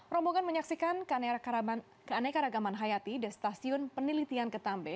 rombongan menyaksikan keanekaragaman hayati di stasiun penelitian ketambe